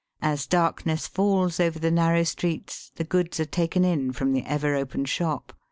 As darkness falls over the narrow streets the goods are taken in from the ever open shop.